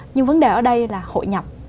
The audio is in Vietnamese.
nhưng vấn đề ở đây là hội nhập